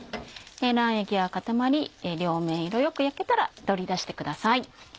卵液が固まり両面色よく焼けたら取り出してください。